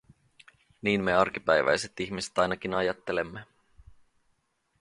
Niin me arkipäiväiset ihmiset ainakin ajattelemme.